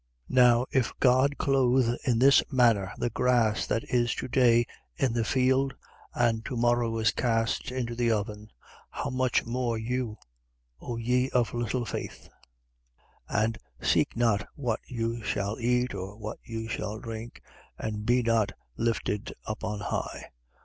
12:28. Now, if God clothe in this manner the grass that is to day in the field and to morrow is cast into the oven: how much more you, O ye of little faith? 12:29. And seek not what you shall eat or what you shall drink: and be not lifted up on high.